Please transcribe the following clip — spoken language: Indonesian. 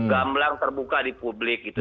gamblang terbuka di publik gitu